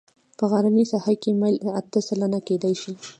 په غرنۍ ساحه کې میل اته سلنه کیدی شي